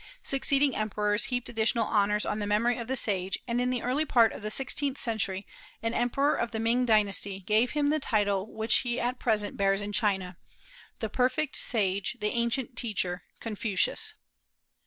Succeeding emperors heaped additional honors on the memory of the sage, and in the early part of the sixteenth century an emperor of the Ming dynasty gave him the title which he at present bears in China, "The perfect sage, the ancient teacher, Confucius."